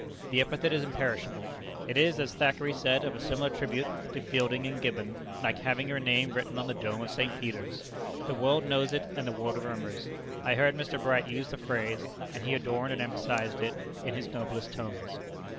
The epithet is imperishable. It is, as Thackeray said of a similar tribute to Fielding in Gibbon, like having your name written on the dome of St. Peter's. The world knows it and the world remembers. I heard Mr. Bright use the phrase, and he adorned and emphasized it in his noblest tones."